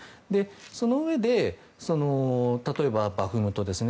そのうえで例えばバフムトですね。